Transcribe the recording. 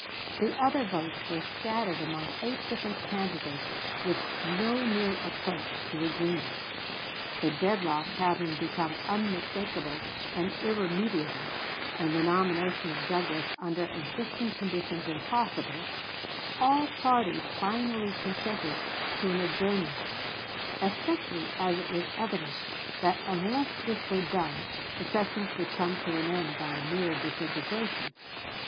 The other votes were scattered among eight different candidates with no near approach to agreement. The dead lock having become unmistakable and irremediable, and the nomination of Douglas under existing conditions impossible, all parties finally consented to an adjournment, especially as it was evident that unless this were done the sessions would come to an end by mere disintegration.